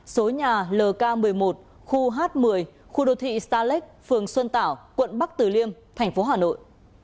số nhà lk một mươi một khu h một mươi khu đô thị star lake phường xuân tảo quận bắc từ liêm thành phố hà nội